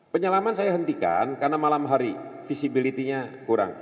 penyelaman saya hentikan karena malam hari visibilitinya kurang